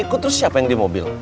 ikut terus siapa yang di mobil